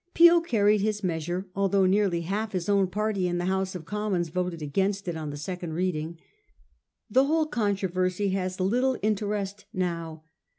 Peel carried his measure, although nearly half his own party in the House of Commons voted against it on the second reading. The whole controversy has little interest now.